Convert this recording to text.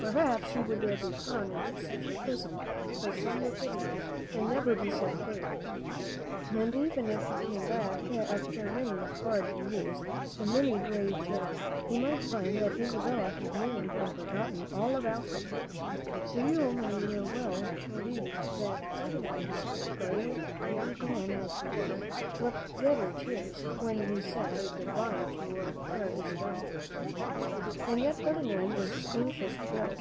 Perhaps he would be thrown into such a prison by some wicked man and never be set free again. And even if he came back after many hard years and many great perils, he might find that Isabella had married and forgotten all about him; so you may well believe that Ferdinand, brave young man as he was, wept bitter tears when he said good by to the fair Isabella. And yet Ferdinand was anxious to go.